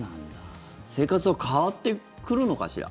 生活は変わってくるのかしら。